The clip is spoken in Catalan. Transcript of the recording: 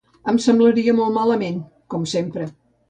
Em semblaria molt malament, com sempre.